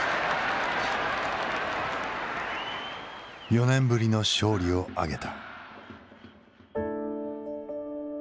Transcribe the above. ４年ぶりの勝利を挙げた。